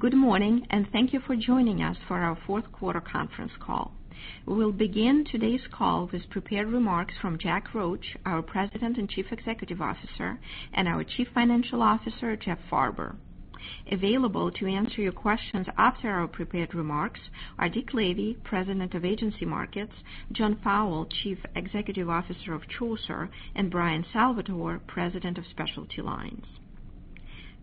Good morning, thank you for joining us for our fourth quarter conference call. We'll begin today's call with prepared remarks from Jack Roche, our President and Chief Executive Officer, and our Chief Financial Officer, Jeff Farber. Available to answer your questions after our prepared remarks are Dick Lavey, President of Hanover Agency Markets, John Fowle, Chief Executive Officer of Chaucer, and Bryan Salvatore, President of Specialty Lines.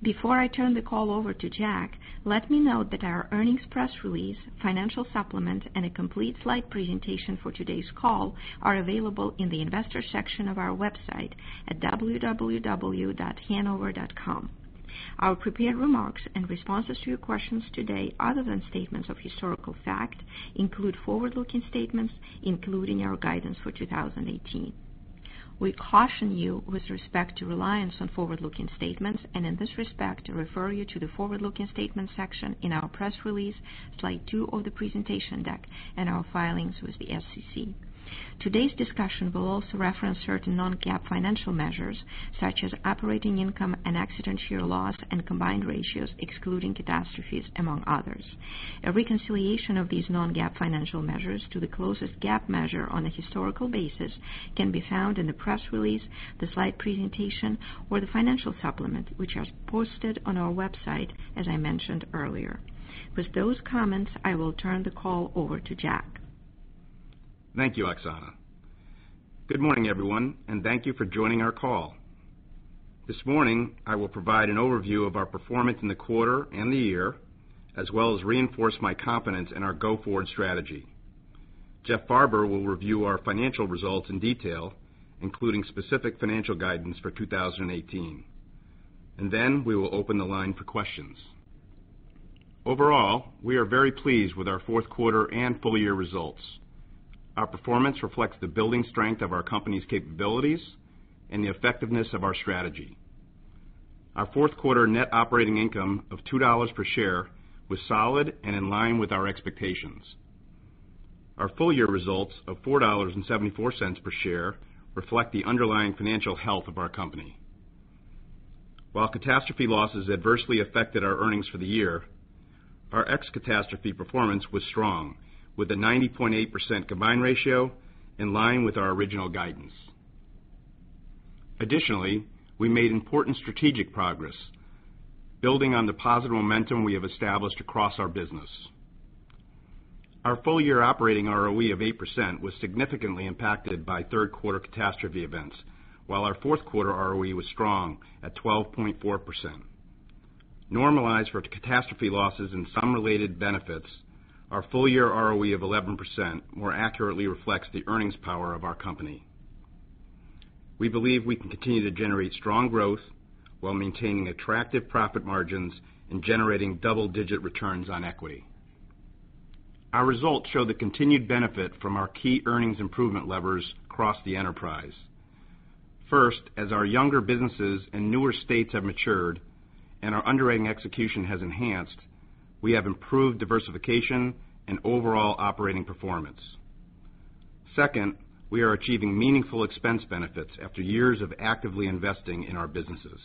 Before I turn the call over to Jack, let me note that our earnings press release, financial supplement, and a complete slide presentation for today's call are available in the investors section of our website at www.hanover.com. Our prepared remarks and responses to your questions today, other than statements of historical fact, include forward-looking statements, including our guidance for 2018. We caution you with respect to reliance on forward-looking statements. In this respect, refer you to the forward-looking statements section in our press release, slide two of the presentation deck, and our filings with the SEC. Today's discussion will also reference certain non-GAAP financial measures, such as operating income and accident year loss and combined ratios, excluding catastrophes, among others. A reconciliation of these non-GAAP financial measures to the closest GAAP measure on a historical basis can be found in the press release, the slide presentation, or the financial supplement, which are posted on our website, as I mentioned earlier. With those comments, I will turn the call over to Jack. Thank you, Oksana. Good morning, everyone, thank you for joining our call. This morning, I will provide an overview of our performance in the quarter and the year, as well as reinforce my confidence in our go-forward strategy. Jeff Farber will review our financial results in detail, including specific financial guidance for 2018. Then we will open the line for questions. Overall, we are very pleased with our fourth quarter and full-year results. Our performance reflects the building strength of our company's capabilities and the effectiveness of our strategy. Our fourth quarter net operating income of $2 per share was solid and in line with our expectations. Our full-year results of $4.74 per share reflect the underlying financial health of our company. While catastrophe losses adversely affected our earnings for the year, our ex-catastrophe performance was strong, with a 90.8% combined ratio in line with our original guidance. Additionally, we made important strategic progress, building on the positive momentum we have established across our business. Our full-year operating ROE of 8% was significantly impacted by third quarter catastrophe events, while our fourth quarter ROE was strong at 12.4%. Normalized for catastrophe losses and some related benefits, our full-year ROE of 11% more accurately reflects the earnings power of our company. We believe we can continue to generate strong growth while maintaining attractive profit margins and generating double-digit returns on equity. Our results show the continued benefit from our key earnings improvement levers across the enterprise. First, as our younger businesses and newer states have matured and our underwriting execution has enhanced, we have improved diversification and overall operating performance. Second, we are achieving meaningful expense benefits after years of actively investing in our businesses.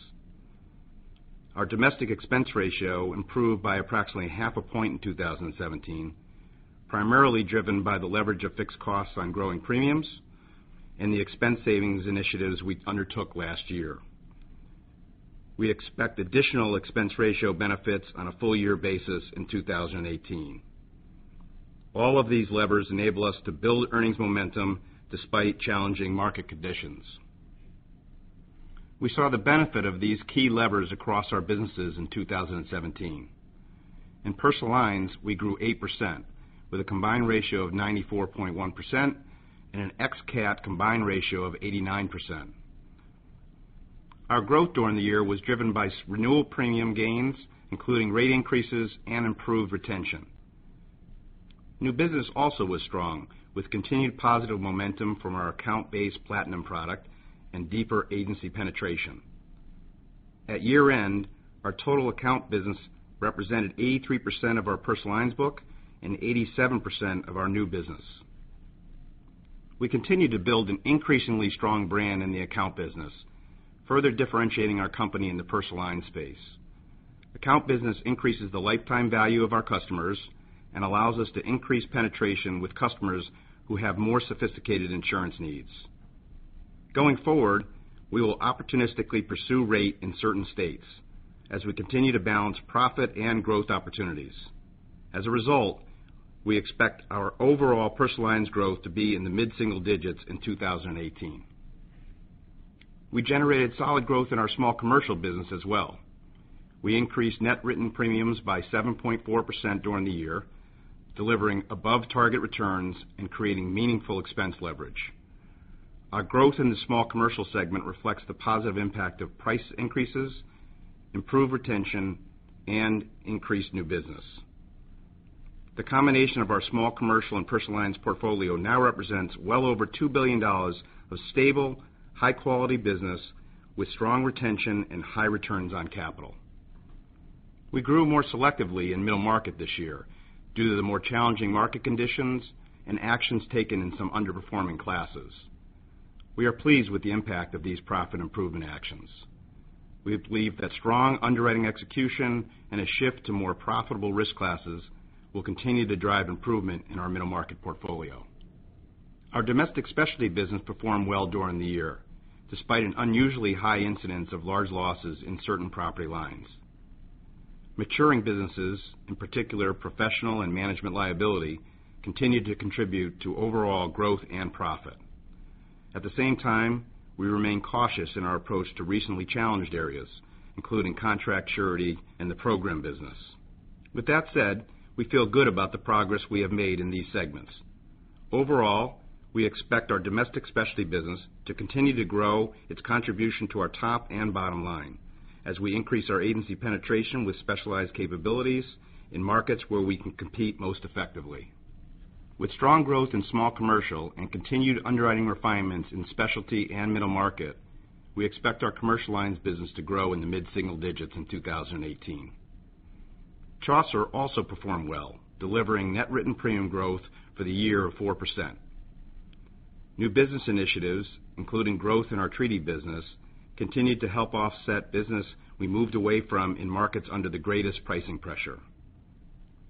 Our domestic expense ratio improved by approximately half a point in 2017, primarily driven by the leverage of fixed costs on growing premiums and the expense savings initiatives we undertook last year. We expect additional expense ratio benefits on a full-year basis in 2018. All of these levers enable us to build earnings momentum despite challenging market conditions. We saw the benefit of these key levers across our businesses in 2017. In Personal Lines, we grew 8%, with a combined ratio of 94.1% and an ex-cat combined ratio of 89%. Our growth during the year was driven by renewal premium gains, including rate increases and improved retention. New business also was strong, with continued positive momentum from our account-based Platinum product and deeper agency penetration. At year-end, our total account business represented 83% of our Personal Lines book and 87% of our new business. We continue to build an increasingly strong brand in the account business, further differentiating our company in the Personal Lines space. Account business increases the lifetime value of our customers and allows us to increase penetration with customers who have more sophisticated insurance needs. Going forward, we will opportunistically pursue rate in certain states as we continue to balance profit and growth opportunities. As a result, we expect our overall Personal Lines growth to be in the mid-single digits in 2018. We generated solid growth in our small commercial business as well. We increased net written premiums by 7.4% during the year, delivering above-target returns and creating meaningful expense leverage. Our growth in the small commercial segment reflects the positive impact of price increases, improved retention, and increased new business. The combination of our small commercial and Personal Lines portfolio now represents well over $2 billion of stable, high-quality business with strong retention and high returns on capital. We grew more selectively in middle market this year due to the more challenging market conditions and actions taken in some underperforming classes. We are pleased with the impact of these profit improvement actions. We believe that strong underwriting execution and a shift to more profitable risk classes will continue to drive improvement in our middle market portfolio. Our domestic Specialty business performed well during the year, despite an unusually high incidence of large losses in certain property lines. Maturing businesses, in particular, professional and management liability, continued to contribute to overall growth and profit. At the same time, we remain cautious in our approach to recently challenged areas, including contract surety and the program business. With that said, we feel good about the progress we have made in these segments. Overall, we expect our domestic Specialty business to continue to grow its contribution to our top and bottom line as we increase our agency penetration with specialized capabilities in markets where we can compete most effectively. With strong growth in small commercial and continued underwriting refinements in Specialty and middle market, we expect our commercial lines business to grow in the mid-single digits in 2018. Chaucer also performed well, delivering net written premium growth for the year of 4%. New business initiatives, including growth in our treaty business, continued to help offset business we moved away from in markets under the greatest pricing pressure.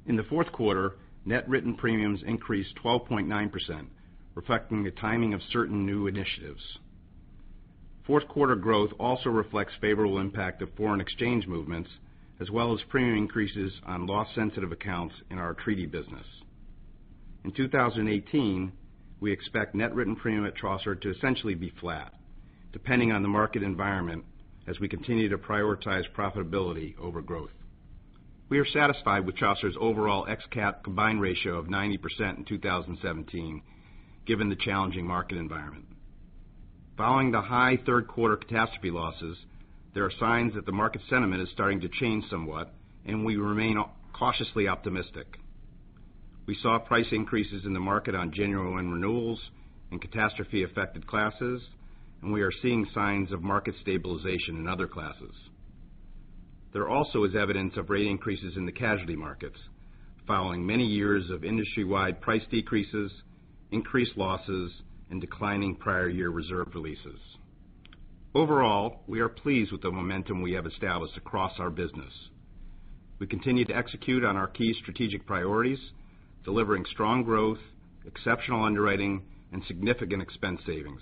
In the fourth quarter, net written premiums increased 12.9%, reflecting the timing of certain new initiatives. Fourth quarter growth also reflects favorable impact of foreign exchange movements, as well as premium increases on loss sensitive accounts in our treaty business. In 2018, we expect net written premium at Chaucer to essentially be flat, depending on the market environment as we continue to prioritize profitability over growth. We are satisfied with Chaucer's overall ex-cat combined ratio of 90% in 2017, given the challenging market environment. Following the high third quarter catastrophe losses, there are signs that the market sentiment is starting to change somewhat, and we remain cautiously optimistic. We saw price increases in the market on January 1 renewals in catastrophe-affected classes, and we are seeing signs of market stabilization in other classes. There also is evidence of rate increases in the casualty markets following many years of industry-wide price decreases, increased losses, and declining prior year reserve releases. Overall, we are pleased with the momentum we have established across our business. We continue to execute on our key strategic priorities, delivering strong growth, exceptional underwriting, and significant expense savings.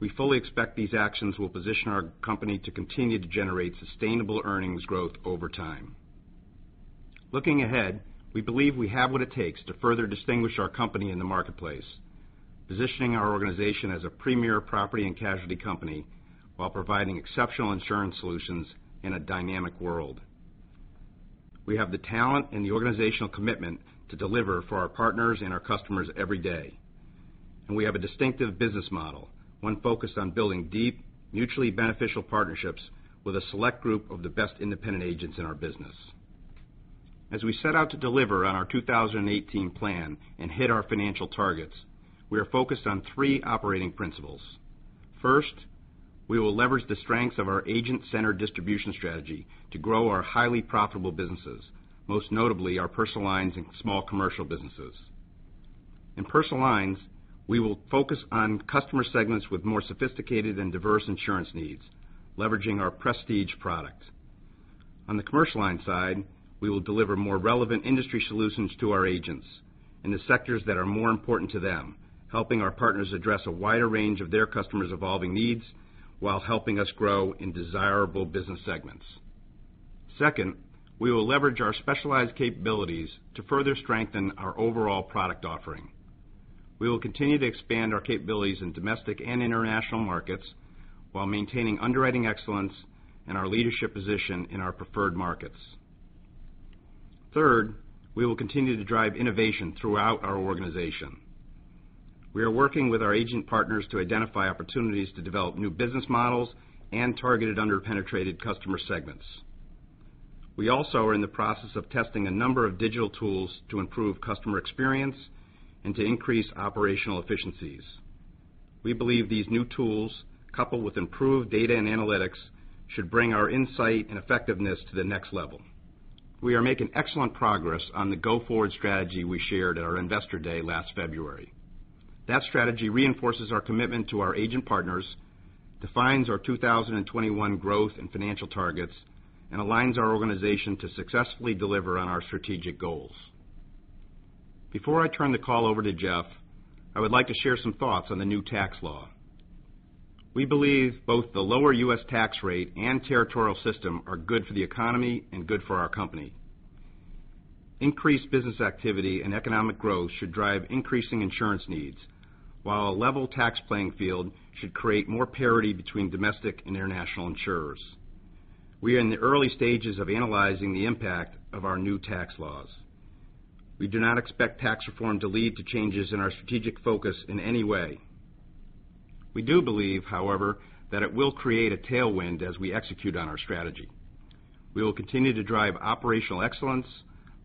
We fully expect these actions will position our company to continue to generate sustainable earnings growth over time. Looking ahead, we believe we have what it takes to further distinguish our company in the marketplace, positioning our organization as a premier property and casualty company while providing exceptional insurance solutions in a dynamic world. We have the talent and the organizational commitment to deliver for our partners and our customers every day. We have a distinctive business model, one focused on building deep, mutually beneficial partnerships with a select group of the best independent agents in our business. As we set out to deliver on our 2018 plan and hit our financial targets, we are focused on three operating principles. First, we will leverage the strengths of our agent-centered distribution strategy to grow our highly profitable businesses, most notably our Personal Lines and small commercial businesses. In Personal Lines, we will focus on customer segments with more sophisticated and diverse insurance needs, leveraging our Prestige product. On the commercial line side, we will deliver more relevant industry solutions to our agents in the sectors that are more important to them, helping our partners address a wider range of their customers' evolving needs while helping us grow in desirable business segments. Second, we will leverage our specialized capabilities to further strengthen our overall product offering. We will continue to expand our capabilities in domestic and international markets while maintaining underwriting excellence and our leadership position in our preferred markets. Third, we will continue to drive innovation throughout our organization. We are working with our agent partners to identify opportunities to develop new business models and targeted under-penetrated customer segments. We also are in the process of testing a number of digital tools to improve customer experience and to increase operational efficiencies. We believe these new tools, coupled with improved data and analytics, should bring our insight and effectiveness to the next level. We are making excellent progress on the go-forward strategy we shared at our investor day last February. That strategy reinforces our commitment to our agent partners, defines our 2021 growth and financial targets, and aligns our organization to successfully deliver on our strategic goals. Before I turn the call over to Jeff, I would like to share some thoughts on the new tax law. We believe both the lower U.S. tax rate and territorial system are good for the economy and good for our company. Increased business activity and economic growth should drive increasing insurance needs, while a level tax playing field should create more parity between domestic and international insurers. We are in the early stages of analyzing the impact of our new tax laws. We do not expect tax reform to lead to changes in our strategic focus in any way. We do believe, however, that it will create a tailwind as we execute on our strategy. We will continue to drive operational excellence,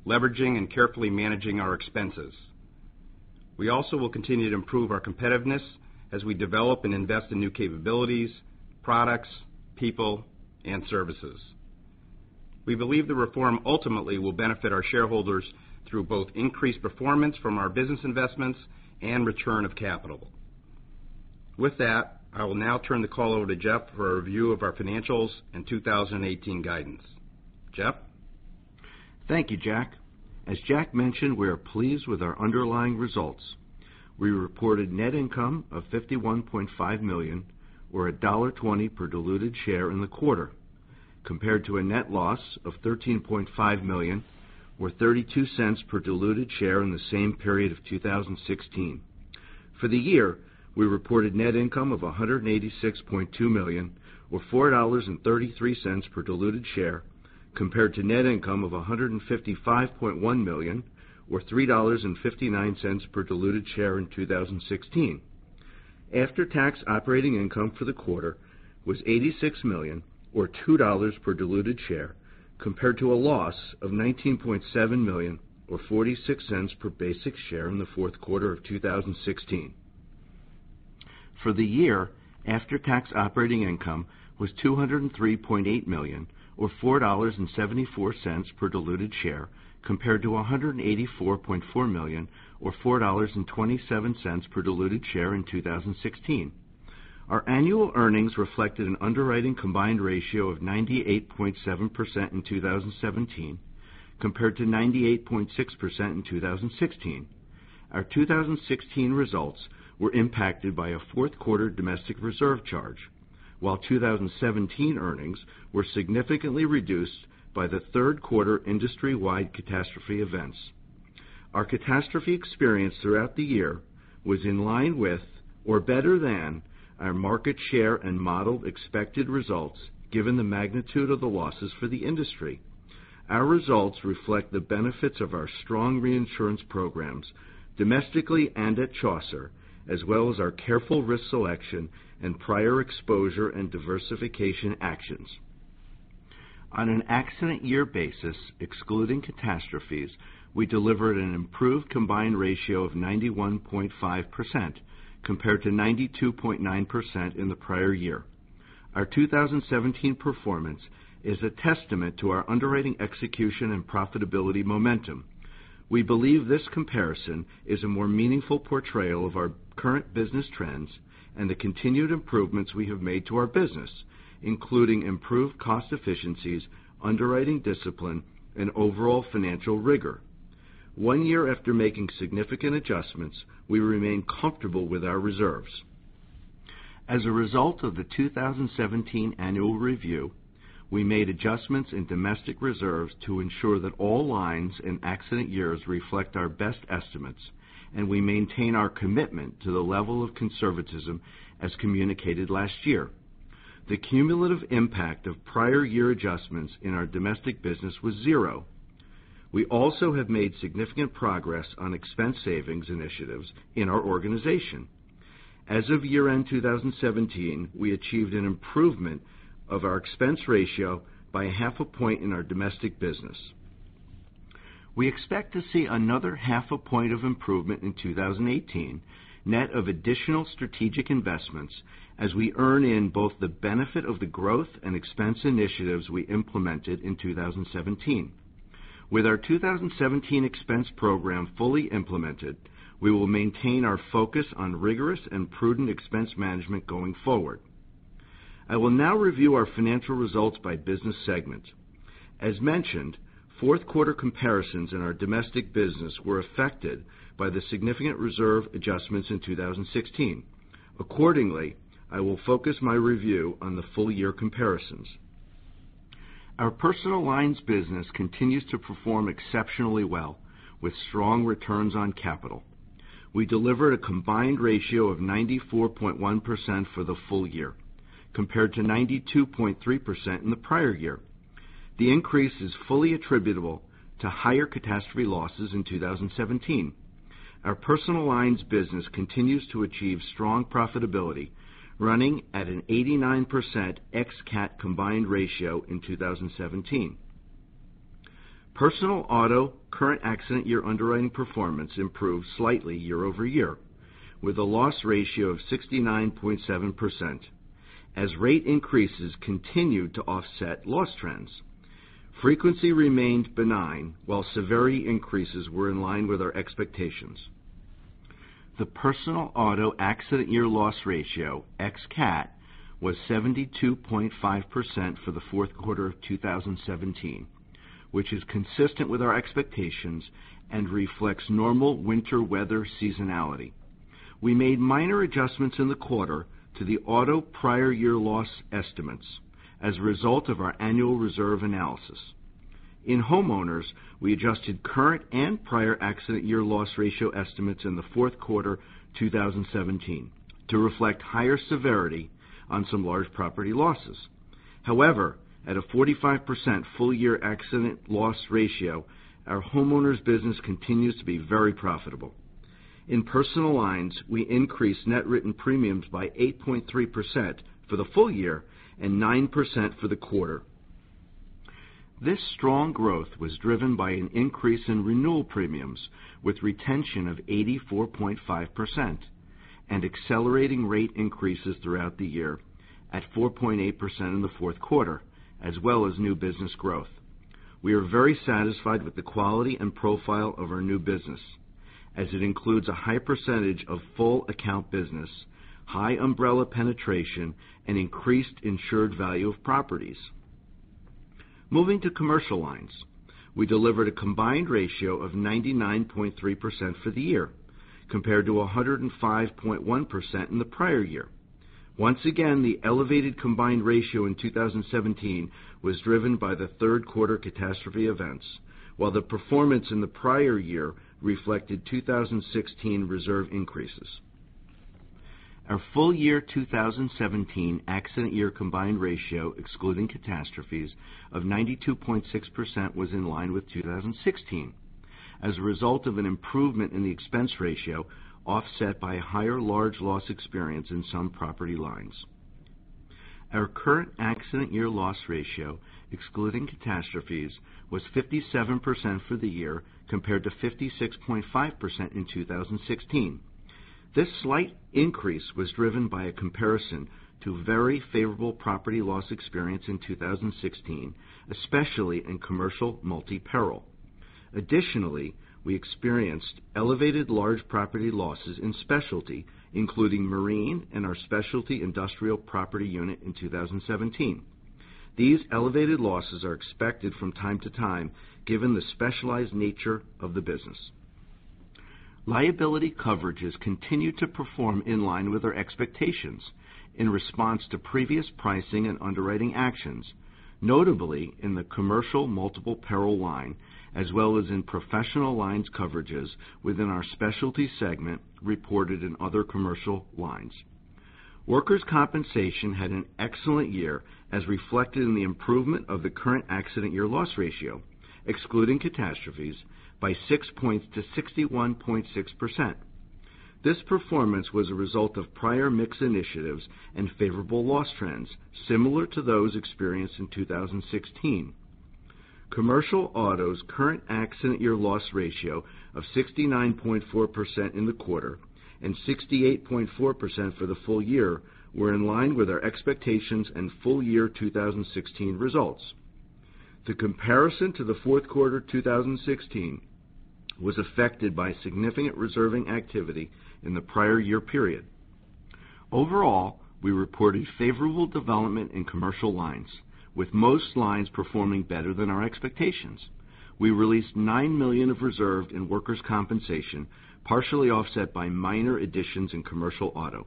leveraging and carefully managing our expenses. We also will continue to improve our competitiveness as we develop and invest in new capabilities, products, people, and services. We believe the reform ultimately will benefit our shareholders through both increased performance from our business investments and return of capital. With that, I will now turn the call over to Jeff for a review of our financials and 2018 guidance. Jeff? Thank you, Jack. As Jack mentioned, we are pleased with our underlying results. We reported net income of $51.5 million, or $1.20 per diluted share in the quarter, compared to a net loss of $13.5 million, or $0.32 per diluted share in the same period of 2016. For the year, we reported net income of $186.2 million, or $4.33 per diluted share, compared to net income of $155.1 million, or $3.59 per diluted share in 2016. After-tax operating income for the quarter was $86 million, or $2 per diluted share, compared to a loss of $19.7 million, or $0.46 per basic share in the fourth quarter of 2016. For the year, after-tax operating income was $203.8 million, or $4.74 per diluted share, compared to $184.4 million or $4.27 per diluted share in 2016. Our annual earnings reflected an underwriting combined ratio of 98.7% in 2017 compared to 98.6% in 2016. Our 2016 results were impacted by a fourth quarter domestic reserve charge, while 2017 earnings were significantly reduced by the third quarter industry-wide catastrophe events. Our catastrophe experience throughout the year was in line with, or better than, our market share and modeled expected results, given the magnitude of the losses for the industry. Our results reflect the benefits of our strong reinsurance programs domestically and at Chaucer, as well as our careful risk selection and prior exposure and diversification actions. On an accident year basis, excluding catastrophes, we delivered an improved combined ratio of 91.5%, compared to 92.9% in the prior year. Our 2017 performance is a testament to our underwriting execution and profitability momentum. We believe this comparison is a more meaningful portrayal of our current business trends and the continued improvements we have made to our business, including improved cost efficiencies, underwriting discipline, and overall financial rigor. One year after making significant adjustments, we remain comfortable with our reserves. As a result of the 2017 annual review, we made adjustments in domestic reserves to ensure that all lines and accident years reflect our best estimates, and we maintain our commitment to the level of conservatism as communicated last year. The cumulative impact of prior year adjustments in our domestic business was zero. We also have made significant progress on expense savings initiatives in our organization. As of year-end 2017, we achieved an improvement of our expense ratio by half a point in our domestic business. We expect to see another half a point of improvement in 2018, net of additional strategic investments, as we earn in both the benefit of the growth and expense initiatives we implemented in 2017. With our 2017 expense program fully implemented, we will maintain our focus on rigorous and prudent expense management going forward. I will now review our financial results by business segment. As mentioned, fourth quarter comparisons in our domestic business were affected by the significant reserve adjustments in 2016. Accordingly, I will focus my review on the full-year comparisons. Our Personal Lines business continues to perform exceptionally well with strong returns on capital. We delivered a combined ratio of 94.1% for the full year, compared to 92.3% in the prior year. The increase is fully attributable to higher catastrophe losses in 2017. Our Personal Lines business continues to achieve strong profitability, running at an 89% ex-cat combined ratio in 2017. Personal auto current accident year underwriting performance improved slightly year-over-year, with a loss ratio of 69.7%, as rate increases continued to offset loss trends. Frequency remained benign while severity increases were in line with our expectations. The personal auto accident year loss ratio, ex-cat, was 72.5% for the fourth quarter of 2017, which is consistent with our expectations and reflects normal winter weather seasonality. We made minor adjustments in the quarter to the auto prior year loss estimates as a result of our annual reserve analysis. In homeowners, we adjusted current and prior accident year loss ratio estimates in the fourth quarter 2017 to reflect higher severity on some large property losses. However, at a 45% full-year accident loss ratio, our homeowners business continues to be very profitable. In Personal Lines, we increased net written premiums by 8.3% for the full year and 9% for the quarter. This strong growth was driven by an increase in renewal premiums, with retention of 84.5% and accelerating rate increases throughout the year at 4.8% in the fourth quarter, as well as new business growth. We are very satisfied with the quality and profile of our new business, as it includes a high percentage of full account business, high umbrella penetration, and increased insured value of properties. Moving to Commercial Lines, we delivered a combined ratio of 99.3% for the year, compared to 105.1% in the prior year. Once again, the elevated combined ratio in 2017 was driven by the third quarter catastrophe events, while the performance in the prior year reflected 2016 reserve increases. Our full-year 2017 accident year combined ratio, excluding catastrophes, of 92.6%, was in line with 2016 as a result of an improvement in the expense ratio offset by a higher large loss experience in some property lines. Our current accident year loss ratio, excluding catastrophes, was 57% for the year compared to 56.5% in 2016. This slight increase was driven by a comparison to very favorable property loss experience in 2016, especially in commercial multi-peril. Additionally, we experienced elevated large property losses in Specialty, including Marine and our Specialty Industrial Property Unit in 2017. These elevated losses are expected from time to time given the specialized nature of the business. Liability coverages continue to perform in line with our expectations in response to previous pricing and underwriting actions, notably in the commercial multiple peril line as well as in professional lines coverages within our Specialty segment reported in other Commercial Lines. workers' compensation had an excellent year, as reflected in the improvement of the current accident year loss ratio, excluding catastrophes, by six points to 61.6%. This performance was a result of prior mix initiatives and favorable loss trends, similar to those experienced in 2016. commercial auto's current accident year loss ratio of 69.4% in the quarter and 68.4% for the full year were in line with our expectations and full-year 2016 results. The comparison to the fourth quarter 2016 was affected by significant reserving activity in the prior year period. Overall, we reported favorable development in Commercial Lines, with most lines performing better than our expectations. We released $9 million of reserve in workers' compensation, partially offset by minor additions in commercial auto.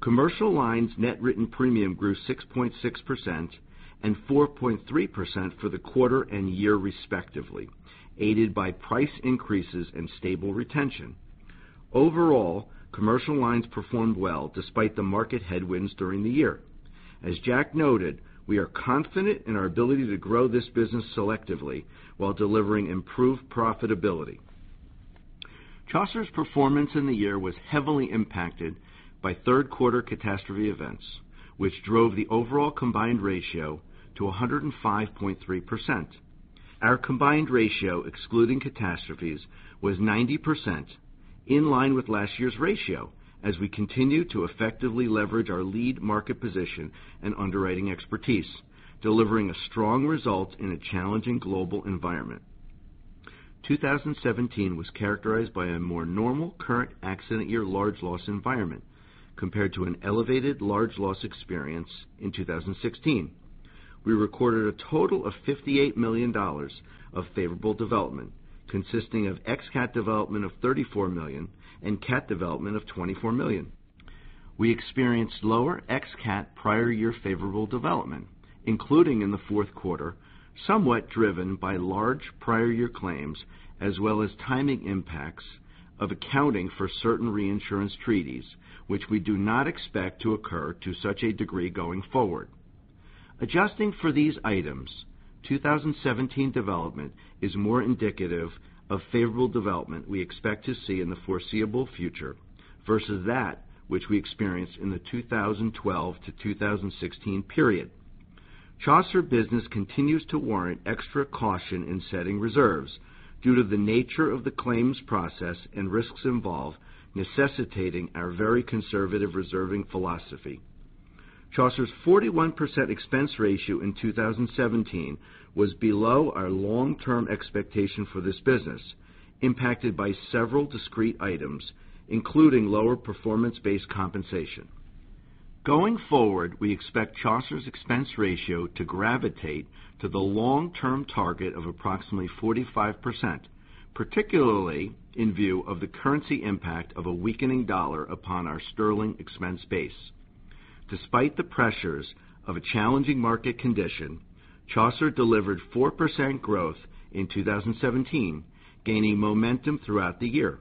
Commercial Lines' net written premium grew 6.6% and 4.3% for the quarter and year respectively, aided by price increases and stable retention. Overall, Commercial Lines performed well despite the market headwinds during the year. As Jack noted, we are confident in our ability to grow this business selectively while delivering improved profitability. Chaucer's performance in the year was heavily impacted by third-quarter catastrophe events, which drove the overall combined ratio to 105.3%. Our combined ratio, excluding catastrophes, was 90%, in line with last year's ratio as we continue to effectively leverage our lead market position and underwriting expertise, delivering a strong result in a challenging global environment. 2017 was characterized by a more normal current accident year large loss environment compared to an elevated large loss experience in 2016. We recorded a total of $58 million of favorable development, consisting of ex-cat development of $34 million and cat development of $24 million. We experienced lower ex-cat prior year favorable development, including in the fourth quarter, somewhat driven by large prior year claims, as well as timing impacts of accounting for certain reinsurance treaties, which we do not expect to occur to such a degree going forward. Adjusting for these items, 2017 development is more indicative of favorable development we expect to see in the foreseeable future versus that which we experienced in the 2012 to 2016 period. Chaucer business continues to warrant extra caution in setting reserves due to the nature of the claims process and risks involved necessitating our very conservative reserving philosophy. Chaucer's 41% expense ratio in 2017 was below our long-term expectation for this business, impacted by several discrete items, including lower performance-based compensation. Going forward, we expect Chaucer's expense ratio to gravitate to the long-term target of approximately 45%, particularly in view of the currency impact of a weakening dollar upon our sterling expense base. Despite the pressures of a challenging market condition, Chaucer delivered 4% growth in 2017, gaining momentum throughout the year.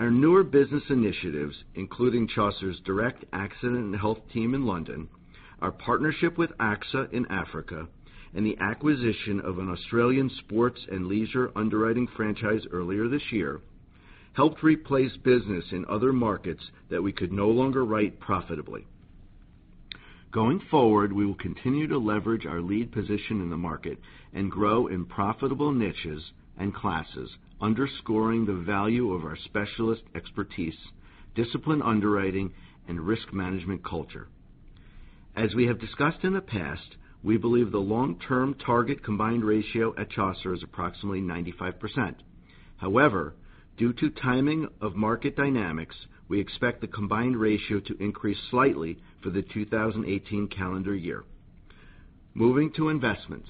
Our newer business initiatives, including Chaucer's direct accident and health team in London, our partnership with AXA in Africa, and the acquisition of an Australian sports and leisure underwriting franchise earlier this year, helped replace business in other markets that we could no longer write profitably. Going forward, we will continue to leverage our lead position in the market and grow in profitable niches and classes, underscoring the value of our specialist expertise, disciplined underwriting, and risk management culture. As we have discussed in the past, we believe the long-term target combined ratio at Chaucer is approximately 95%. Due to timing of market dynamics, we expect the combined ratio to increase slightly for the 2018 calendar year. Moving to investments.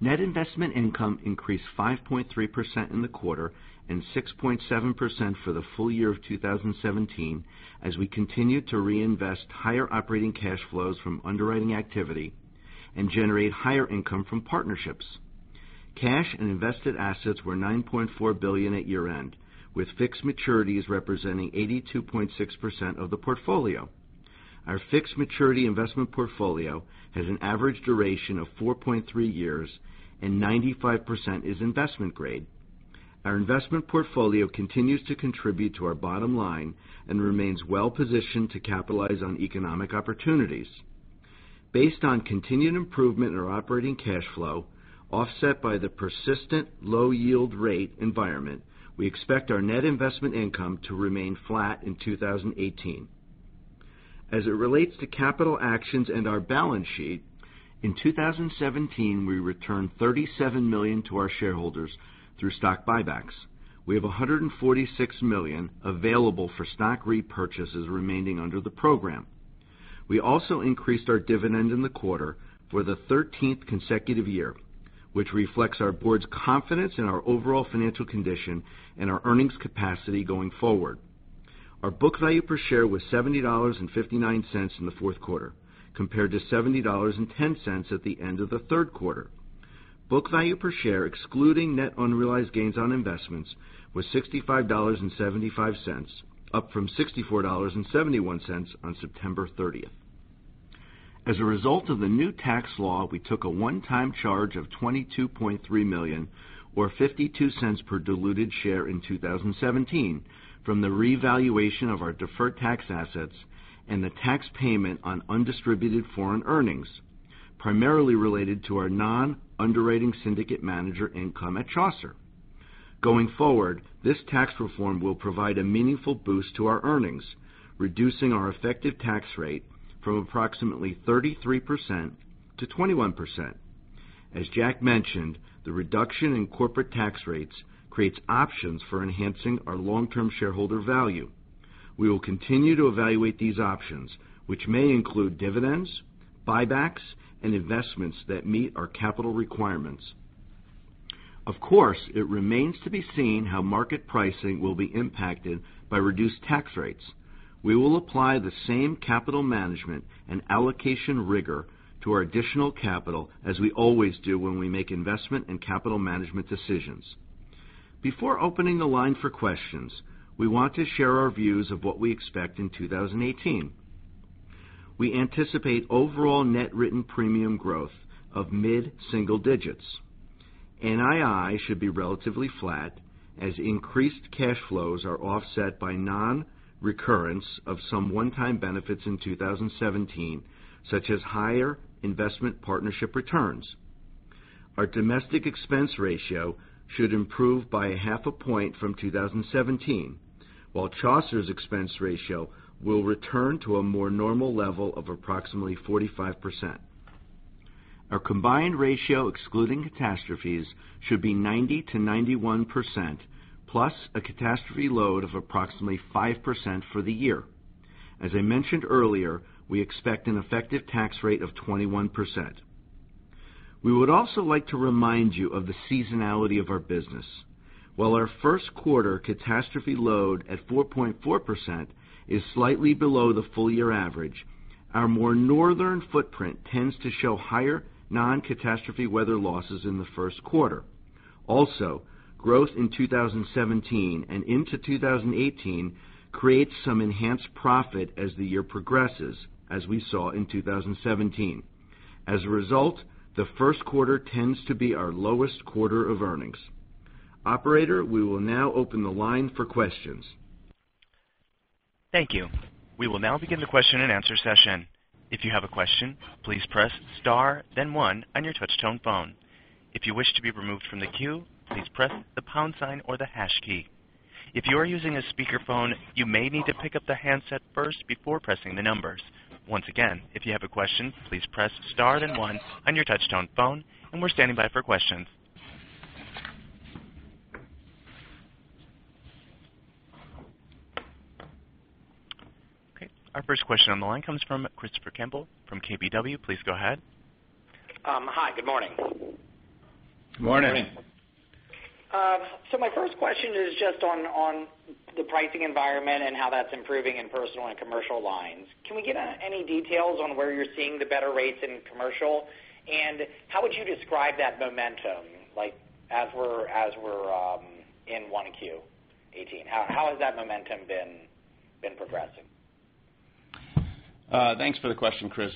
Net investment income increased 5.3% in the quarter, and 6.7% for the full year of 2017, as we continued to reinvest higher operating cash flows from underwriting activity and generate higher income from partnerships. Cash and invested assets were $9.4 billion at year-end, with fixed maturities representing 82.6% of the portfolio. Our fixed maturity investment portfolio has an average duration of 4.3 years, and 95% is investment grade. Our investment portfolio continues to contribute to our bottom line and remains well-positioned to capitalize on economic opportunities. Based on continued improvement in our operating cash flow, offset by the persistent low yield rate environment, we expect our net investment income to remain flat in 2018. As it relates to capital actions and our balance sheet, in 2017, we returned $37 million to our shareholders through stock buybacks. We have $146 million available for stock repurchases remaining under the program. We also increased our dividend in the quarter for the 13th consecutive year, which reflects our board's confidence in our overall financial condition and our earnings capacity going forward. Our book value per share was $70.59 in the fourth quarter, compared to $70.10 at the end of the third quarter. Book value per share, excluding net unrealized gains on investments, was $65.75, up from $64.71 on September 30th. As a result of the new tax law, we took a one-time charge of $22.3 million, or $0.52 per diluted share in 2017, from the revaluation of our deferred tax assets and the tax payment on undistributed foreign earnings, primarily related to our non-underwriting syndicate manager income at Chaucer. Going forward, this tax reform will provide a meaningful boost to our earnings, reducing our effective tax rate from approximately 33% to 21%. As Jack mentioned, the reduction in corporate tax rates creates options for enhancing our long-term shareholder value. We will continue to evaluate these options, which may include dividends, buybacks, and investments that meet our capital requirements. Of course, it remains to be seen how market pricing will be impacted by reduced tax rates. We will apply the same capital management and allocation rigor to our additional capital as we always do when we make investment and capital management decisions. Before opening the line for questions, we want to share our views of what we expect in 2018. We anticipate overall net written premium growth of mid-single digits. NII should be relatively flat, as increased cash flows are offset by non-recurrence of some one-time benefits in 2017, such as higher investment partnership returns. Our domestic expense ratio should improve by half a point from 2017, while Chaucer's expense ratio will return to a more normal level of approximately 45%. Our combined ratio excluding catastrophes should be 90%-91%, plus a catastrophe load of approximately 5% for the year. As I mentioned earlier, we expect an effective tax rate of 21%. We would also like to remind you of the seasonality of our business. While our first quarter catastrophe load at 4.4% is slightly below the full year average, our more northern footprint tends to show higher non-catastrophe weather losses in the first quarter. Also, growth in 2017 and into 2018 creates some enhanced profit as the year progresses, as we saw in 2017. As a result, the first quarter tends to be our lowest quarter of earnings. Operator, we will now open the line for questions. Thank you. We will now begin the question and answer session. If you have a question, please press star then one on your touch tone phone. If you wish to be removed from the queue, please press the pound sign or the hash key. If you are using a speakerphone, you may need to pick up the handset first before pressing the numbers. Once again, if you have a question, please press star then one on your touch tone phone. We're standing by for questions. Our first question on the line comes from Christopher Campbell from KBW. Please go ahead. Hi, good morning. Good morning. My first question is just on the pricing environment and how that's improving in Personal Lines and commercial lines. Can we get any details on where you're seeing the better rates in commercial? How would you describe that momentum, as we're in 1Q18? How has that momentum been progressing? Thanks for the question, Chris.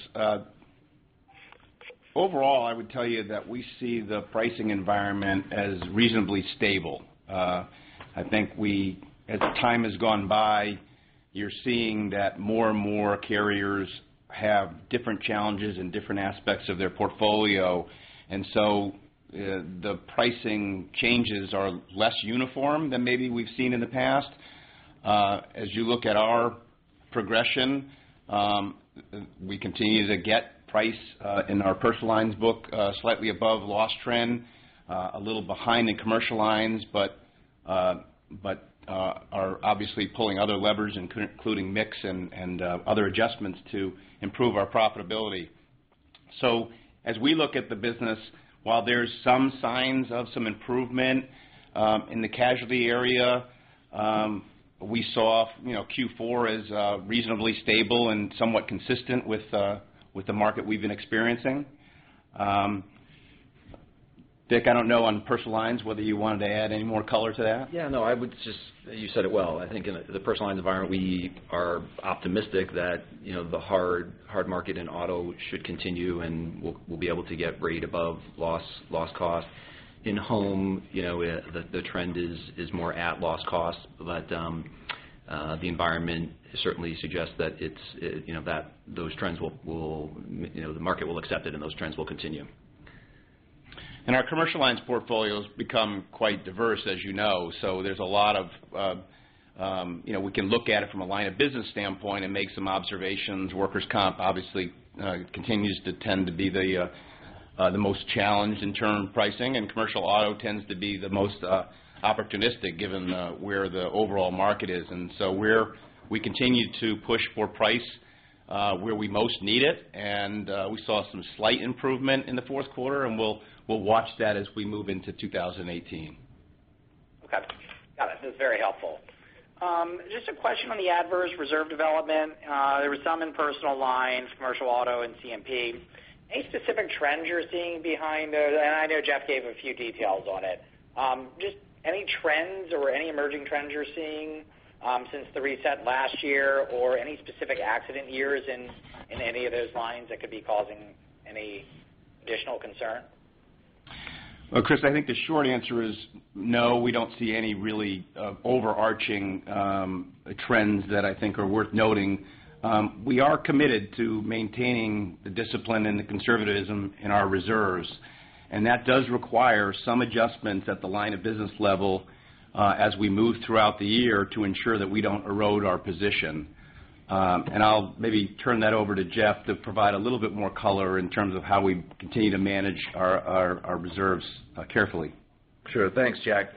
Overall, I would tell you that we see the pricing environment as reasonably stable. I think as time has gone by, you're seeing that more and more carriers have different challenges in different aspects of their portfolio. The pricing changes are less uniform than maybe we've seen in the past. As you look at our progression, we continue to get price in our Personal Lines book slightly above loss trend, a little behind in commercial lines, but are obviously pulling other levers, including mix and other adjustments to improve our profitability. As we look at the business, while there's some signs of some improvement in the casualty area, we saw Q4 as reasonably stable and somewhat consistent with the market we've been experiencing. Dick, I don't know on Personal Lines whether you wanted to add any more color to that. Yeah. No, you said it well. I think in the Personal Lines environment, we are optimistic that the hard market and auto should continue, and we'll be able to get rate above loss cost. In home, the trend is more at loss cost. The environment certainly suggests that the market will accept it and those trends will continue. Our Commercial Lines portfolio has become quite diverse, as you know. We can look at it from a line of business standpoint and make some observations. Workers' comp obviously continues to tend to be the most challenged in term pricing, and commercial auto tends to be the most opportunistic given where the overall market is. We continue to push for price where we most need it, and we saw some slight improvement in the fourth quarter, and we'll watch that as we move into 2018. Okay. Got it. That's very helpful. Just a question on the adverse reserve development. There was some in Personal Lines, commercial auto, and CMP. Any specific trends you're seeing behind those? I know Jeff gave a few details on it. Just any trends or any emerging trends you're seeing since the reset last year, or any specific accident years in any of those lines that could be causing any additional concern? Well, Chris, I think the short answer is no, we don't see any really overarching trends that I think are worth noting. We are committed to maintaining the discipline and the conservatism in our reserves. That does require some adjustments at the line of business level as we move throughout the year to ensure that we don't erode our position. I'll maybe turn that over to Jeff to provide a little bit more color in terms of how we continue to manage our reserves carefully. Sure. Thanks, Jack.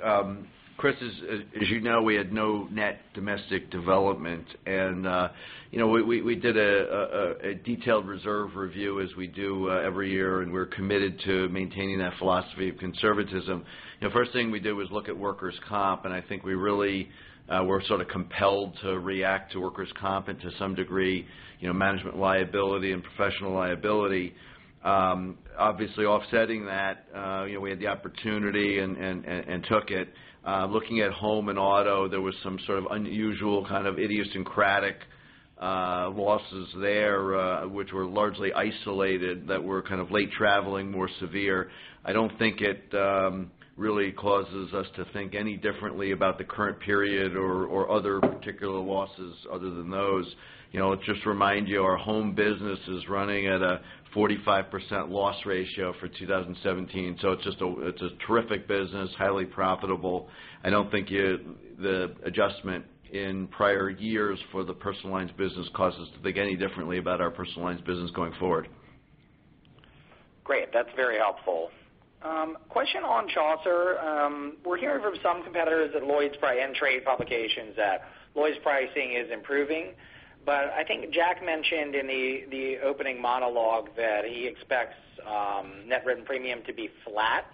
Chris, as you know, we had no net domestic development. We did a detailed reserve review as we do every year, and we're committed to maintaining that philosophy of conservatism. First thing we did was look at workers' comp, and I think we really were sort of compelled to react to workers' comp and to some degree, management liability and professional liability. Obviously offsetting that, we had the opportunity and took it. Looking at home and auto, there was some sort of unusual kind of idiosyncratic losses there, which were largely isolated, that were kind of late traveling, more severe. I don't think it really causes us to think any differently about the current period or other particular losses other than those. Just to remind you, our home business is running at a 45% loss ratio for 2017, it's a terrific business, highly profitable. I don't think the adjustment in prior years for the personal lines business caused us to think any differently about our personal lines business going forward. Great. That's very helpful. Question on Chaucer. We're hearing from some competitors at Lloyd's by M Trade Publications that Lloyd's pricing is improving. I think Jack mentioned in the opening monologue that he expects net written premium to be flat.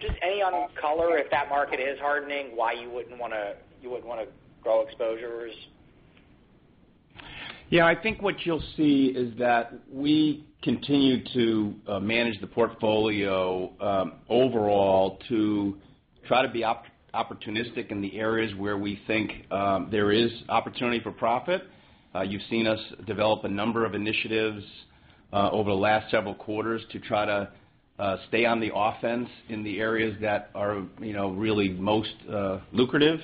Just any color if that market is hardening, why you wouldn't want to grow exposures? Yeah, I think what you'll see is that we continue to manage the portfolio overall to try to be opportunistic in the areas where we think there is opportunity for profit. You've seen us develop a number of initiatives over the last several quarters to try to stay on the offense in the areas that are really most lucrative.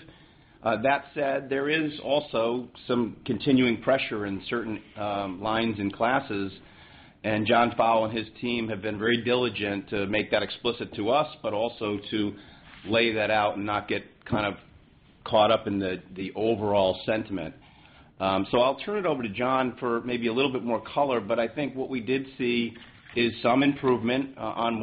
That said, there is also some continuing pressure in certain lines and classes, John Fowle and his team have been very diligent to make that explicit to us, also to lay that out and not get kind of caught up in the overall sentiment. I'll turn it over to John for maybe a little bit more color, but I think what we did see is some improvement on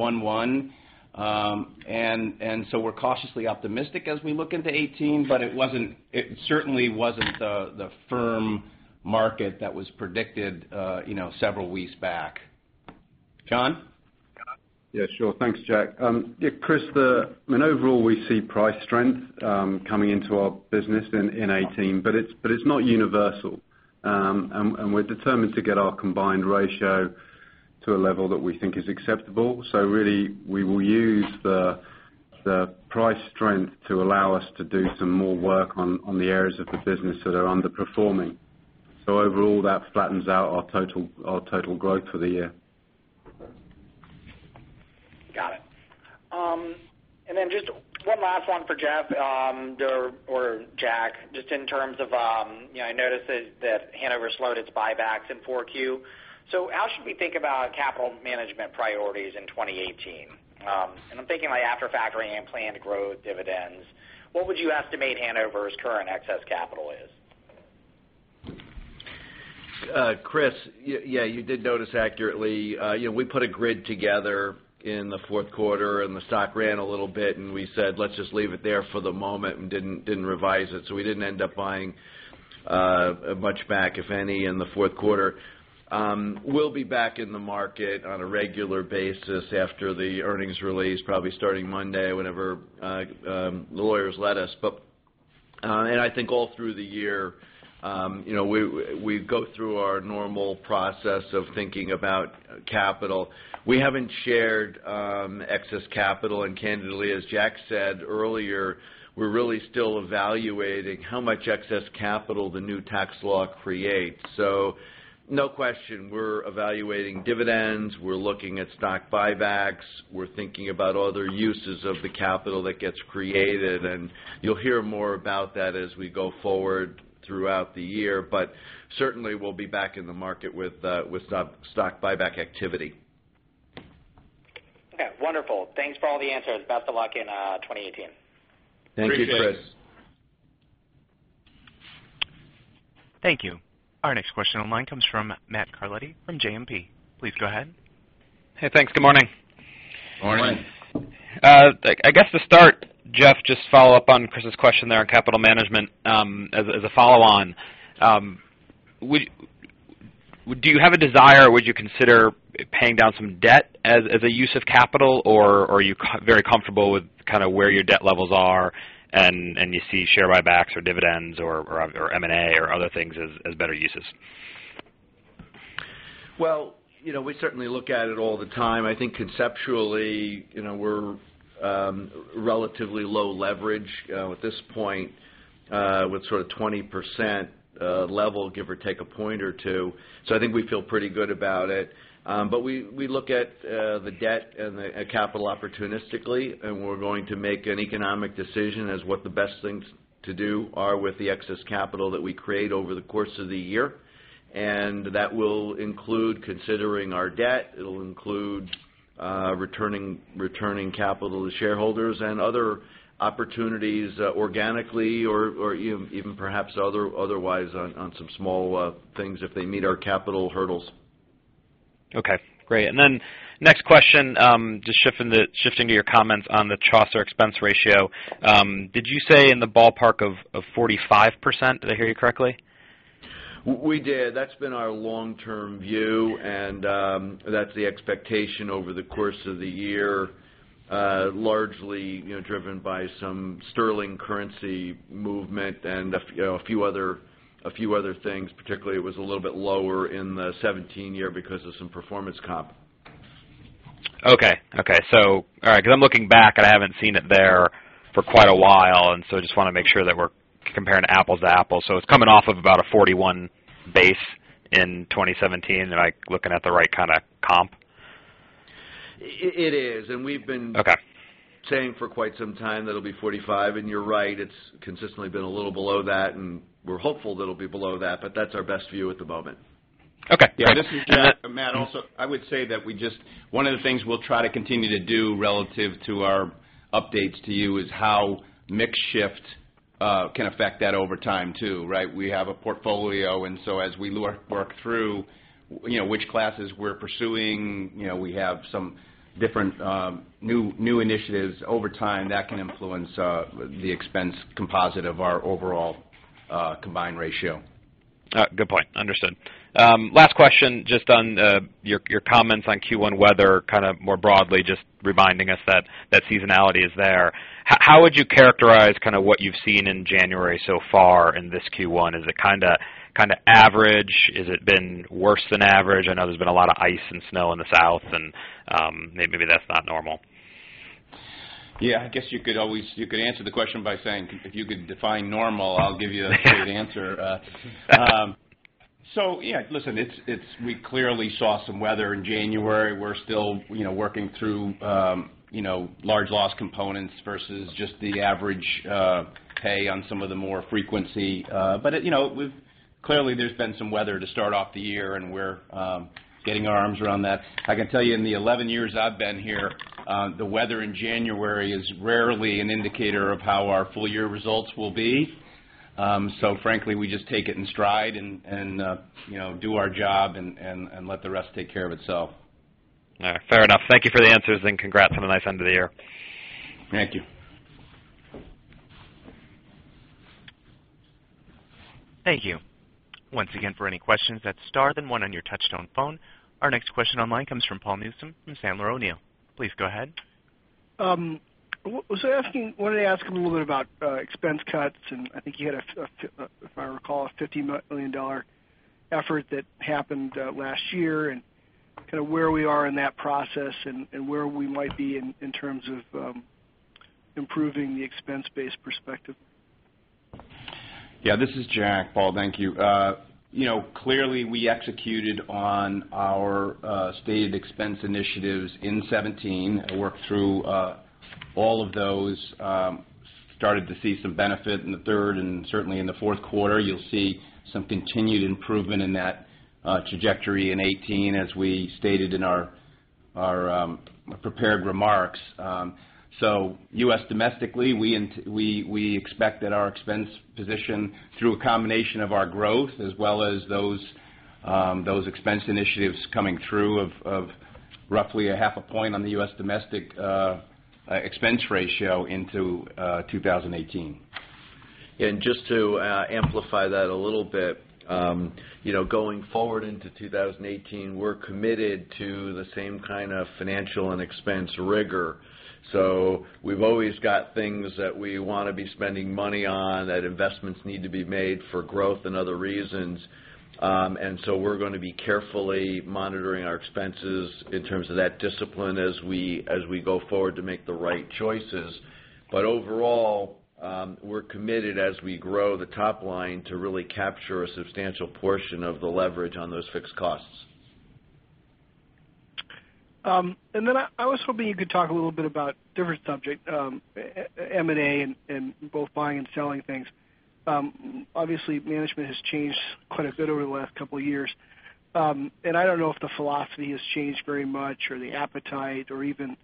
1/1. We're cautiously optimistic as we look into 2018, but it certainly wasn't the firm market that was predicted several weeks back. John? Yeah, sure. Thanks, Jack. Yeah, Chris, overall we see price strength coming into our business in 2018, but it's not universal. We're determined to get our combined ratio to a level that we think is acceptable. Really, we will use the price strength to allow us to do some more work on the areas of the business that are underperforming. Overall, that flattens out our total growth for the year. Got it. Just one last one for Jeff or Jack, just in terms of, I noticed that Hanover slowed its buybacks in 4Q. How should we think about capital management priorities in 2018? I'm thinking after factoring in planned growth dividends, what would you estimate Hanover's current excess capital is? Chris, yeah, you did notice accurately. We put a grid together in the fourth quarter, the stock ran a little bit, we said, "Let's just leave it there for the moment," didn't revise it. We didn't end up buying much back, if any, in the fourth quarter. We'll be back in the market on a regular basis after the earnings release, probably starting Monday, whenever the lawyers let us. I think all through the year, we go through our normal process of thinking about capital. We haven't shared excess capital, candidly, as Jack said earlier, we're really still evaluating how much excess capital the new tax law creates. No question, we're evaluating dividends, we're looking at stock buybacks, we're thinking about other uses of the capital that gets created, and you'll hear more about that as we go forward throughout the year. Certainly we'll be back in the market with stock buyback activity. Okay, wonderful. Thanks for all the answers. Best of luck in 2018. Thank you, Chris. Thank you. Our next question online comes from Matt Carletti from JMP. Please go ahead. Hey, thanks. Good morning. Morning. I guess to start, Jeff, just follow up on Chris's question there on capital management as a follow-on. Do you have a desire, or would you consider paying down some debt as a use of capital, or are you very comfortable with where your debt levels are, and you see share buybacks or dividends or M&A or other things as better uses? Well, we certainly look at it all the time. I think conceptually, we're relatively low leverage at this point with 20% level, give or take a point or 2. I think we feel pretty good about it. We look at the debt and the capital opportunistically, and we're going to make an economic decision as what the best things to do are with the excess capital that we create over the course of the year. That will include considering our debt. It'll include returning capital to shareholders and other opportunities organically or even perhaps otherwise on some small things if they meet our capital hurdles. Okay, great. Next question, just shifting to your comments on the Chaucer expense ratio. Did you say in the ballpark of 45%? Did I hear you correctly? We did. That's been our long-term view, and that's the expectation over the course of the year. Largely driven by some sterling currency movement and a few other things. Particularly, it was a little bit lower in the 2017 year because of some performance comp. All right. I'm looking back, and I haven't seen it there for quite a while, I just want to make sure that we're comparing apples to apples. It's coming off of about a 41 base in 2017. Am I looking at the right kind of comp? It is. Okay. We've been saying for quite some time that it'll be 45. You're right, it's consistently been a little below that, and we're hopeful that it'll be below that's our best view at the moment. Okay. Yeah. This is Jack. Matt, also, I would say that one of the things we'll try to continue to do relative to our updates to you is how mix shift can affect that over time, too, right? We have a portfolio, and so as we work through which classes we're pursuing, we have some different new initiatives over time that can influence the expense composite of our overall combined ratio. Good point. Understood. Last question, just on your comments on Q1 weather, kind of more broadly, just reminding us that seasonality is there. How would you characterize what you've seen in January so far in this Q1? Is it kind of average? Has it been worse than average? I know there's been a lot of ice and snow in the south, and maybe that's not normal. Yeah. I guess you could answer the question by saying, "If you could define normal, I'll give you a straight answer." Yeah. Listen, we clearly saw some weather in January. We're still working through large loss components versus just the average pay on some of the more frequency. Clearly there's been some weather to start off the year, and we're getting our arms around that. I can tell you in the 11 years I've been here, the weather in January is rarely an indicator of how our full year results will be. Frankly, we just take it in stride and do our job and let the rest take care of itself. All right. Fair enough. Thank you for the answers, and congrats on a nice end of the year. Thank you. Thank you. Once again, for any questions, hit star then one on your touch-tone phone. Our next question online comes from Paul Newsome from Sandler O'Neill. Please go ahead. I wanted to ask a little bit about expense cuts. I think you had, if I recall, a $15 million effort that happened last year, and where we are in that process and where we might be in terms of improving the expense base perspective. This is Jack. Paul, thank you. Clearly we executed on our stated expense initiatives in 2017, worked through all of those. Started to see some benefit in the third and certainly in the fourth quarter. You'll see some continued improvement in that trajectory in 2018 as we stated in our Our prepared remarks. U.S. domestically, we expect that our expense position through a combination of our growth, as well as those expense initiatives coming through of roughly a half a point on the U.S. domestic expense ratio into 2018. Just to amplify that a little bit. Going forward into 2018, we're committed to the same kind of financial and expense rigor. We've always got things that we want to be spending money on, that investments need to be made for growth and other reasons. We're going to be carefully monitoring our expenses in terms of that discipline as we go forward to make the right choices. Overall, we're committed as we grow the top line to really capture a substantial portion of the leverage on those fixed costs. I was hoping you could talk a little bit about different subject, M&A and both buying and selling things. Obviously, management has changed quite a bit over the last couple of years. I don't know if the philosophy has changed very much or the appetite, or even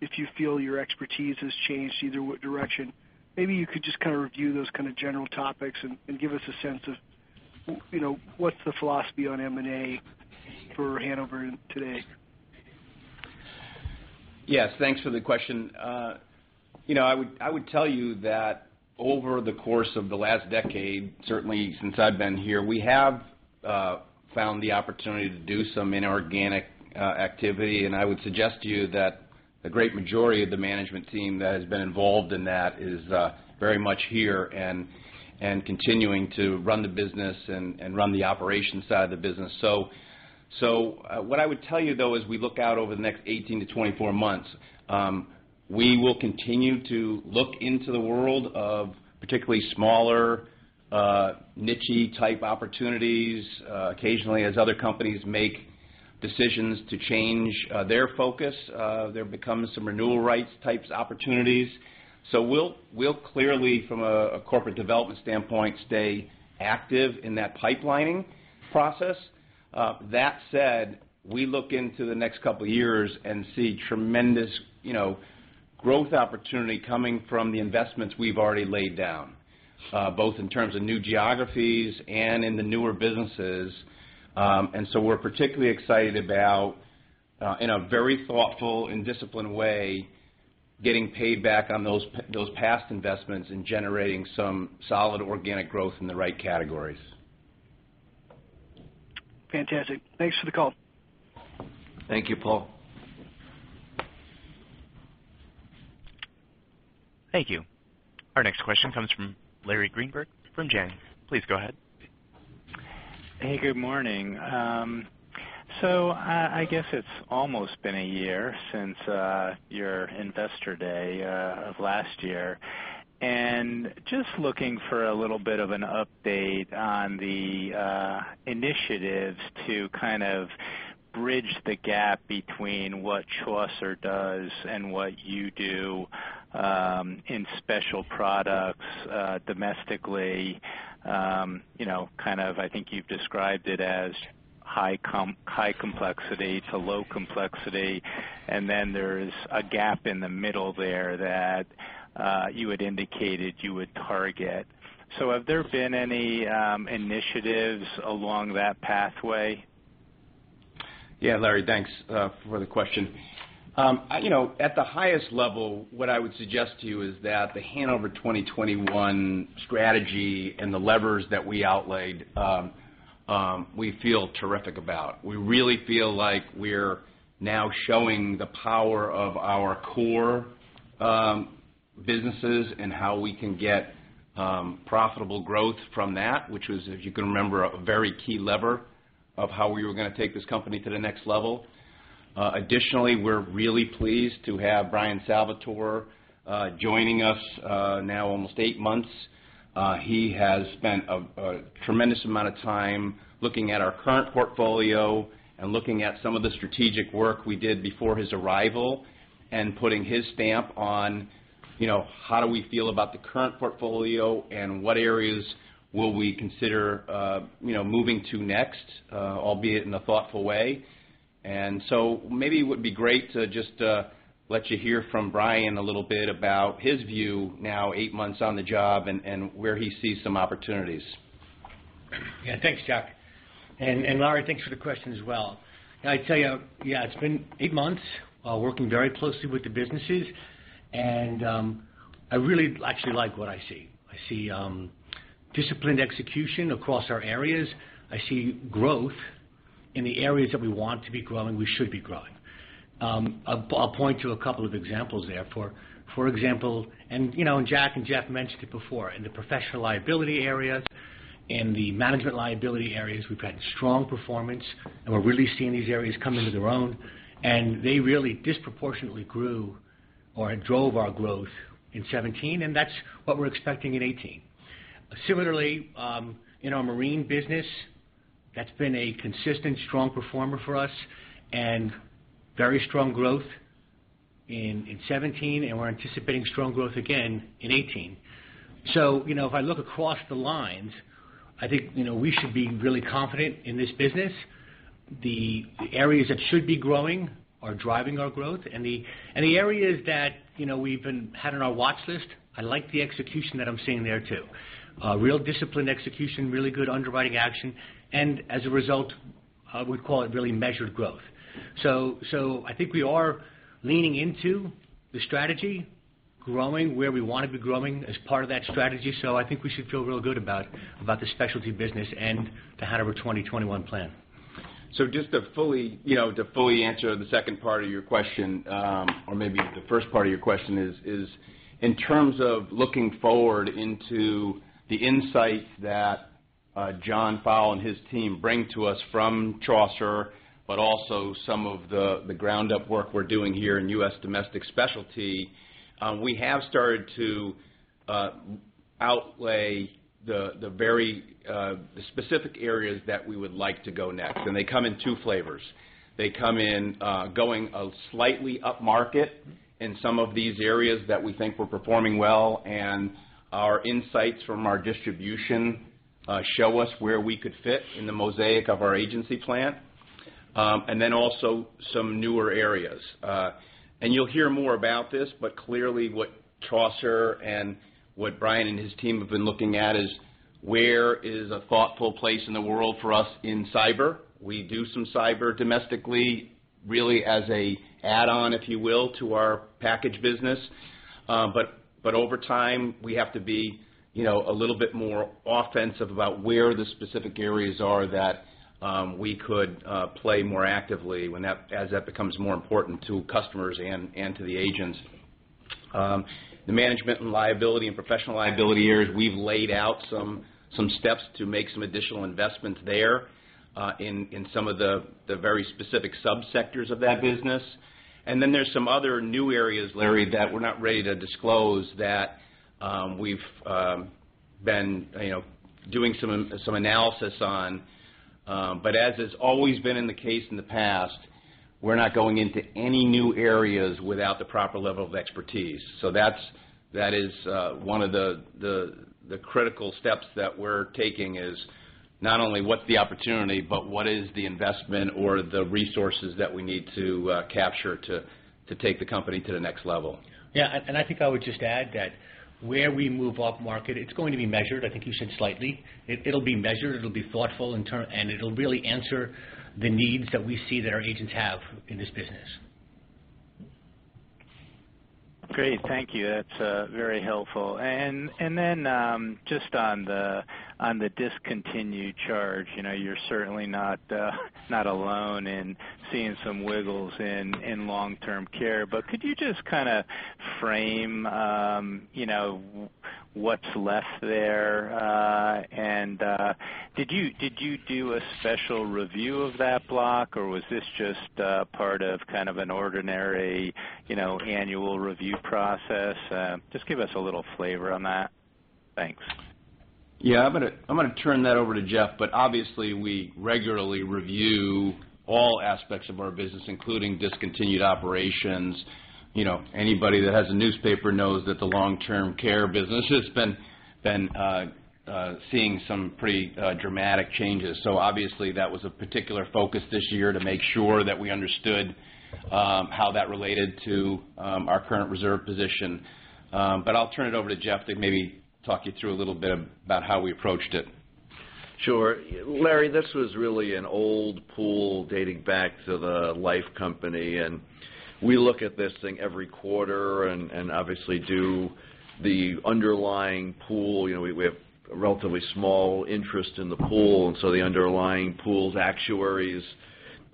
if you feel your expertise has changed either direction. Maybe you could just review those kind of general topics and give us a sense of what's the philosophy on M&A for Hanover today. Yes, thanks for the question. I would tell you that over the course of the last decade, certainly since I've been here, we have found the opportunity to do some inorganic activity. I would suggest to you that a great majority of the management team that has been involved in that is very much here and continuing to run the business and run the operations side of the business. What I would tell you, though, as we look out over the next 18 to 24 months, we will continue to look into the world of particularly smaller, niche-y type opportunities. Occasionally, as other companies make decisions to change their focus, there becomes some renewal rights types opportunities. We'll clearly, from a corporate development standpoint, stay active in that pipelining process. That said, we look into the next couple of years and see tremendous growth opportunity coming from the investments we've already laid down, both in terms of new geographies and in the newer businesses. We're particularly excited about, in a very thoughtful and disciplined way, getting paid back on those past investments and generating some solid organic growth in the right categories. Fantastic. Thanks for the call. Thank you, Paul. Thank you. Our next question comes from Larry Greenberg from Janney. Please go ahead. Hey, good morning. I guess it's almost been a year since your investor day of last year. Just looking for a little bit of an update on the initiatives to kind of bridge the gap between what Chaucer does and what you do in Specialty Lines domestically. I think you've described it as high complexity to low complexity, and then there's a gap in the middle there that you had indicated you would target. Have there been any initiatives along that pathway? Yeah, Larry, thanks for the question. At the highest level, what I would suggest to you is that the Hanover 2021 strategy and the levers that we outlaid, we feel terrific about. We really feel like we're now showing the power of our core businesses and how we can get profitable growth from that, which was, if you can remember, a very key lever of how we were going to take this company to the next level. Additionally, we're really pleased to have Bryan Salvatore joining us now almost eight months. He has spent a tremendous amount of time looking at our current portfolio and looking at some of the strategic work we did before his arrival and putting his stamp on how do we feel about the current portfolio and what areas will we consider moving to next, albeit in a thoughtful way. Maybe it would be great to just let you hear from Bryan a little bit about his view now eight months on the job and where he sees some opportunities. Yeah. Thanks, Jack. Larry, thanks for the question as well. I'd tell you, yeah, it's been eight months working very closely with the businesses, I really actually like what I see. I see disciplined execution across our areas. I see growth in the areas that we want to be growing, we should be growing. I'll point to a couple of examples there. For example, Jack and Jeff mentioned it before, in the professional liability areas, in the management liability areas, we've had strong performance, we're really seeing these areas come into their own. They really disproportionately grew or drove our growth in 2017, and that's what we're expecting in 2018. Similarly, in our Marine business, that's been a consistent strong performer for us and very strong growth in 2017, and we're anticipating strong growth again in 2018. If I look across the lines, I think we should be really confident in this business. The areas that should be growing are driving our growth, and the areas that we've had on our watch list, I like the execution that I'm seeing there, too. Real disciplined execution, really good underwriting action, and as a result, I would call it really measured growth. I think we are leaning into the strategy, growing where we want to be growing as part of that strategy. I think we should feel real good about the Specialty Lines business and the Hanover 2021 plan. Just to fully answer the second part of your question, or maybe the first part of your question is, in terms of looking forward into the insights that John Fowle and his team bring to us from Chaucer, but also some of the ground-up work we're doing here in U.S. domestic Specialty Lines, we have started to outlay the very specific areas that we would like to go next. They come in 2 flavors. They come in going slightly upmarket in some of these areas that we think we're performing well, and our insights from our distribution show us where we could fit in the mosaic of our agency plan. Then also some newer areas. You'll hear more about this, but clearly what Chaucer and what Bryan and his team have been looking at is where is a thoughtful place in the world for us in Cyber. We do some Cyber domestically, really as an add-on, if you will, to our package business. Over time, we have to be a little bit more offensive about where the specific areas are that we could play more actively as that becomes more important to customers and to the agents. The management liability and professional liability areas, we've laid out some steps to make some additional investments there in some of the very specific sub-sectors of that business. Then there's some other new areas, Larry, that we're not ready to disclose that we've been doing some analysis on. As has always been the case in the past, we're not going into any new areas without the proper level of expertise. That is one of the critical steps that we're taking is not only what's the opportunity, but what is the investment or the resources that we need to capture to take the company to the next level. Yeah, I think I would just add that where we move upmarket, it's going to be measured. I think you said slightly. It'll be measured, it'll be thoughtful, and it'll really answer the needs that we see that our agents have in this business. Great. Thank you. That's very helpful. Then just on the discontinued charge, you're certainly not alone in seeing some wiggles in long-term care. Could you just kind of frame what's left there? Did you do a special review of that block, or was this just part of kind of an ordinary annual review process? Just give us a little flavor on that. Thanks. Yeah. I'm going to turn that over to Jeff. Obviously, we regularly review all aspects of our business, including discontinued operations. Anybody that has a newspaper knows that the long-term care business has been seeing some pretty dramatic changes. Obviously, that was a particular focus this year to make sure that we understood how that related to our current reserve position. I'll turn it over to Jeff to maybe talk you through a little bit about how we approached it. Sure. Larry, this was really an old pool dating back to the Life company, and we look at this thing every quarter and obviously do the underlying pool. We have a relatively small interest in the pool. The underlying pool's actuaries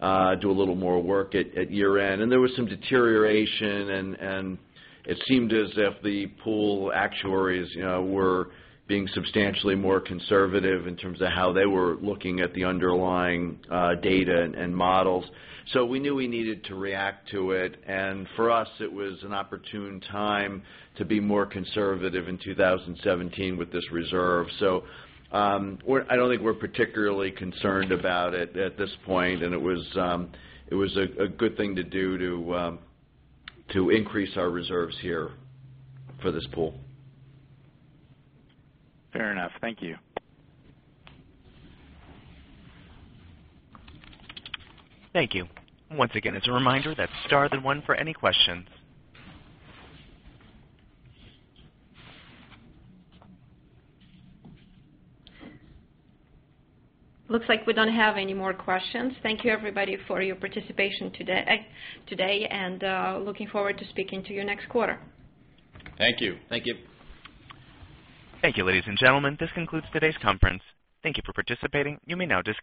do a little more work at year-end. There was some deterioration, and it seemed as if the pool actuaries were being substantially more conservative in terms of how they were looking at the underlying data and models. We knew we needed to react to it. For us, it was an opportune time to be more conservative in 2017 with this reserve. I don't think we're particularly concerned about it at this point. It was a good thing to do to increase our reserves here for this pool. Fair enough. Thank you. Thank you. Once again, as a reminder, that's star then one for any questions. Looks like we don't have any more questions. Thank you everybody for your participation today, and looking forward to speaking to you next quarter. Thank you. Thank you. Thank you, ladies and gentlemen. This concludes today's conference. Thank you for participating. You may now disconnect.